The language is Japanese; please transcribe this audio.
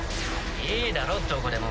いいだろどこでも。